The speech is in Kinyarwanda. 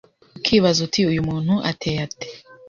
ukibaza uti Uyu muntu ateye ate